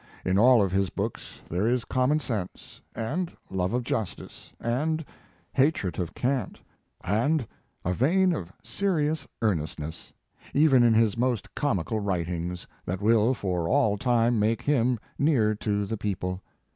In all of his books there is common sense, and love of justice, and hatred of cant, and a vein of serious earnestness, even in his most comical writings, that will for all time make him near to the people.